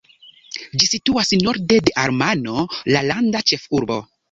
Ĝi situas norde de Amano, la landa ĉefurbo.